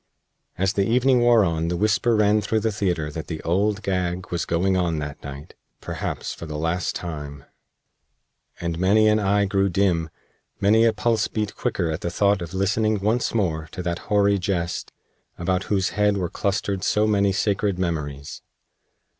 As the evening wore on the whisper ran through the theater that the Old Gag was going on that night perhaps for the last time; and many an eye grew dim, many a pulse beat quicker at the thought of listening once more to that hoary Jest, about whose head were clustered so many sacred memories.